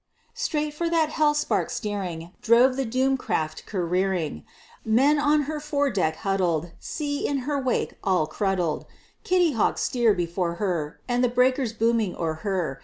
Straight for that hell spark steering, Drove the doomed craft careering; Men on her fore deck huddled, Sea in her wake all cruddled, Kitty Hawk sheer before her, And the breakers booming o'er her.